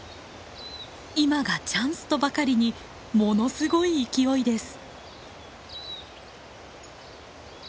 今がチャンスとばかりにものすごい勢いです。